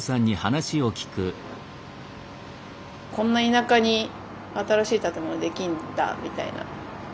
こんな田舎に新しい建物できんだみたいな。